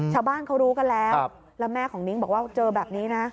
ชาวบ้านเขารู้กันแล้วแล้วแม่ของนิ้งบอกว่าเจอแบบนี้นะ